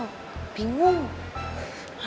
untuk panggilan dengan nama